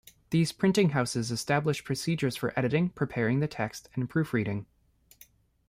These printing houses established procedures for editing, preparing the text, and proofreading.